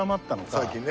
最近ね。